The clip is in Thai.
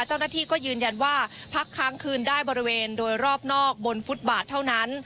เจ้าหน้าที่ก็ยืนยันว่าพักค้างคืนได้บริเวณโดยรอบนอกบนฟุตบาทเท่านั้น